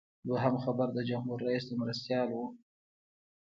دویم خبر د جمهور رئیس د مرستیال و.